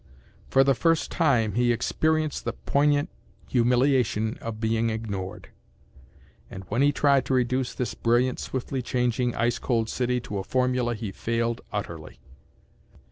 For the first time he experienced the poignant humiliation of being ignored. And when he tried to reduce this brilliant, swiftly changing, ice cold city to a formula he failed utterly.